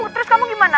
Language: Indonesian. terus kamu gimana